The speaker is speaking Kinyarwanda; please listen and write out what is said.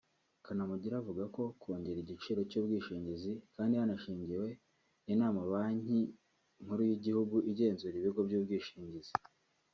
Kanamugire avuga ko kongera igiciro cy’ubwishingizi kandi hanagishijwe inama Banki Nkuru y’Igihugu igenzura ibigo by’ubwishingizi